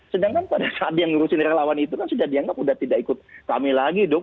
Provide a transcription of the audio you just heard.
sedangkan pada saat dia ngurusin relawan itu kan sudah dianggap sudah tidak ikut kami lagi dong